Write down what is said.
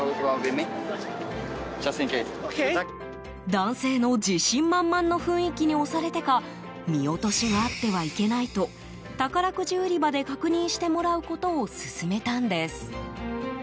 男性の自信満々の雰囲気に押されてか見落としがあってはいけないと宝くじ売り場で確認してもらうことを勧めたんです。